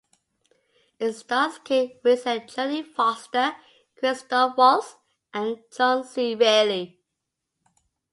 It stars Kate Winslet, Jodie Foster, Christoph Waltz and John C. Reilly.